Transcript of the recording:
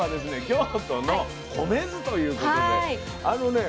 京都の米酢ということであのね